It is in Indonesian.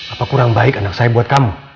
apa kurang baik anak saya buat kamu